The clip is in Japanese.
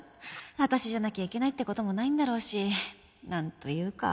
私じゃなきゃいけないって事もないんだろうしなんというか。